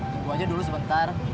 tunggu aja dulu sebentar